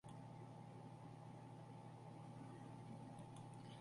El álbum fue producido por Cachorro López.